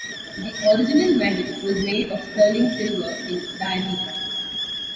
The original medal was made of sterling silver, in diameter.